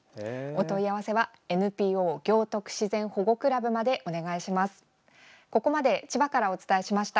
お問い合わせはＮＰＯ行徳自然ほごくらぶまでお願いします。